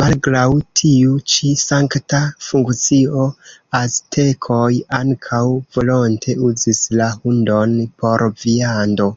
Malgraŭ tiu ĉi sankta funkcio, aztekoj ankaŭ volonte uzis la hundon por viando.